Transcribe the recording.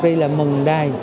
vì là mừng đài